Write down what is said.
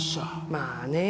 まあね。